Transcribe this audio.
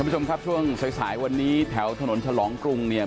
ทวงช่วงสายสายวันนี้แถวถนนชะลองกรุงเนี้ย